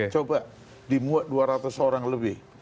coba dimuat dua ratus orang lebih